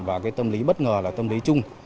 và cái tâm lý bất ngờ là tâm lý chung